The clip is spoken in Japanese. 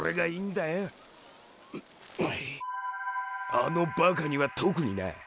あのバカには特にな。